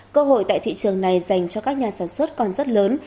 cơ hội tại thị trường này dành cho các nhà sản xuất còn rất lớn